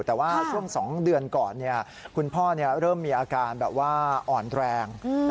แต่ว่าช่วง๒เดือนก่อนคุณพ่อเริ่มมีอาการแบบว่าอ่อนแรง